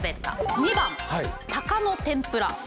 ２番「タカの天ぷら」。